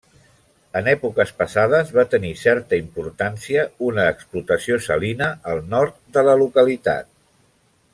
En èpoques passades, va tenir certa importància una explotació salina al nord de la localitat.